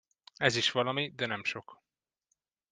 Ez is valami, de nem sok.